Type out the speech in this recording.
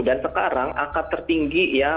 dan sekarang angka tertinggi ya